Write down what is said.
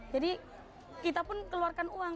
kita pun keluarkan uang